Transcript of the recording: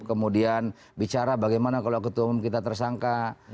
kemudian bicara bagaimana kalau ketua umum kita tersangka